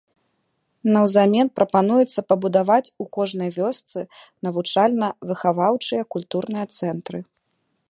Наўзамен прапануецца пабудаваць у кожнай вёсцы навучальна-выхаваўчыя культурныя цэнтры.